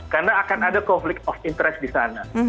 karena akan ada konflik of interest di sana